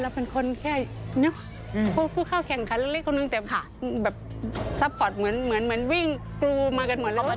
เราก็สร้อยขอดูแลอยู่แล้ว